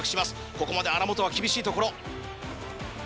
ここまで荒本は厳しいところ。